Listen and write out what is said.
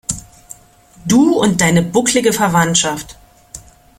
Du und deine bucklige Verwandschaft.